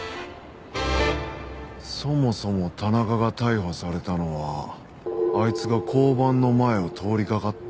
そもそも田中が逮捕されたのはあいつが交番の前を通りかかったから。